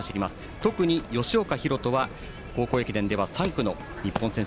特に吉岡大翔は高校駅伝では３区の日本人選手